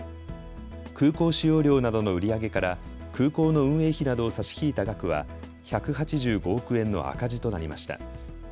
空港使用料などの売り上げから空港の運営費などを差し引いた額は１８５億円の赤字となりました。